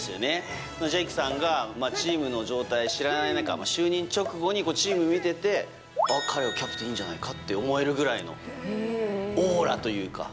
ジェイクさんがチームの状態を知らない中、就任直後にチームを見ていて彼がキャプテンでいいんじゃないかと思えるぐらいのオーラというか。